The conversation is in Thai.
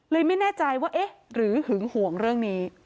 ไม่แน่ใจว่าเอ๊ะหรือหึงห่วงเรื่องนี้